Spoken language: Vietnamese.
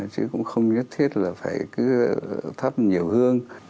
chứ cũng không nhất thiết là phải cứ thắp nhiều hương